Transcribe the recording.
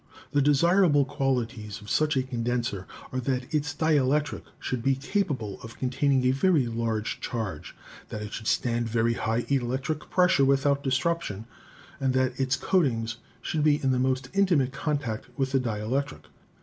The desirable qualities of such a condenser are that its dielectric should be capable of containing a very large charge, that it should stand very high electric pressure without disruption, and that its coatings should be in the most intimate contact with the Battery of Leyden Jars. dielectric.